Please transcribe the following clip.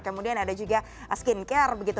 kemudian ada juga skin care begitu